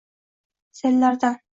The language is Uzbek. sellardan